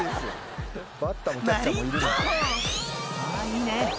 ［いいね。